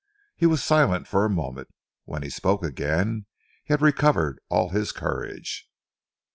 He was silent for a moment. When he spoke again, he had recovered all his courage.